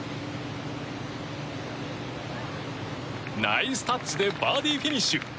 ナイスタッチでバーディーフィニッシュ。